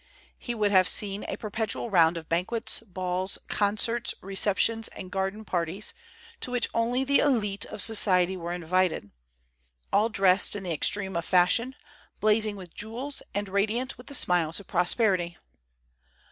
He would have seen a perpetual round of banquets, balls, concerts, receptions, and garden parties, to which only the élite of society were invited, all dressed in the extreme of fashion, blazing with jewels, and radiant with the smiles of prosperity.